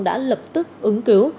tập tức ứng cứu